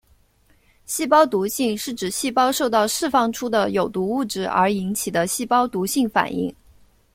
细胞毒性是指细胞受到释放出的有毒物质而引起的细胞毒性反应。